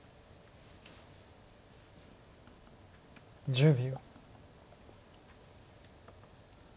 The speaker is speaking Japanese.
１０秒。